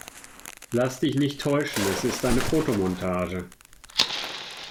Lass dich nicht täuschen, es ist eine Fotomontage.